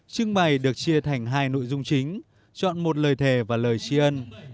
trưng bày được chia thành hai nội dung chính chọn một lời thề và lời tri ân